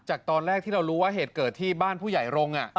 จากตอนแรกที่เรารู้ว่าเหตุเกิดที่บ้านผู้ใหญ่รงค์